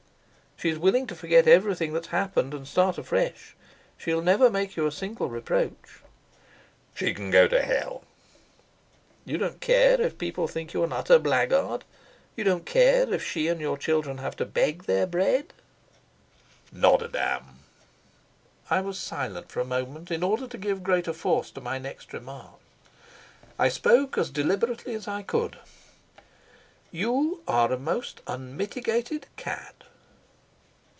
"She's willing to forget everything that's happened and start afresh. She'll never make you a single reproach." "She can go to hell." "You don't care if people think you an utter blackguard? You don't care if she and your children have to beg their bread?" "Not a damn." I was silent for a moment in order to give greater force to my next remark. I spoke as deliberately as I could. "You are a most unmitigated cad."